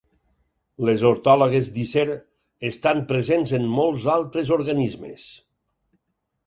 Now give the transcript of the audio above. Les ortòlogues Dicer estan presents en molts altres organismes.